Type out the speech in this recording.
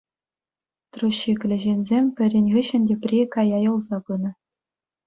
Труҫҫиклӗ ҫынсем пӗрин хыҫҫӑн тепри кая юлса пынӑ.